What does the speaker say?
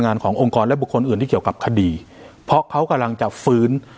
ขององค์กรและบุคคลอื่นที่เกี่ยวกับคดีเพราะเขากำลังจะฟื้น